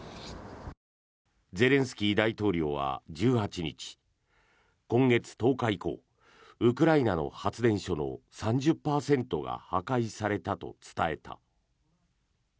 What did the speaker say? ゼレンスキー大統領は１８日今月１０日以降ウクライナの発電所の３０％が破壊されたと伝えた。